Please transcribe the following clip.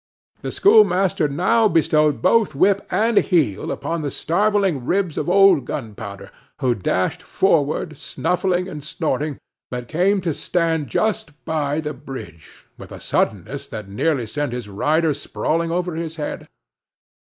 The schoolmaster now bestowed both whip and heel upon the starveling ribs of old Gunpowder, who dashed forward, snuffling and snorting, but came to a stand just by the bridge, with a suddenness that had nearly sent his rider sprawling over his head.